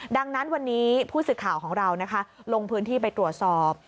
ดังนั้นวันนี้ผู้สื่อข่าวของเรานะคะลงพื้นที่ไปตรวจสอบ